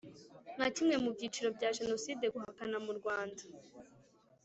Nka kimwe mu byiciro bya jenoside guhakana mu rwanda